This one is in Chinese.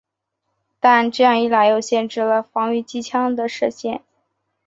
但这样一来又限制了防御机枪的射界。